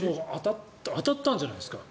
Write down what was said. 当たったんじゃないですか